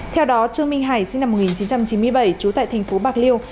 theo đó trương minh hải sinh năm một nghìn chín trăm chín mươi bảy trú tại thành phố bạc liêu